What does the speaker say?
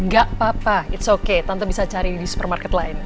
gak apa apa it's okay tante bisa cari di supermarket lain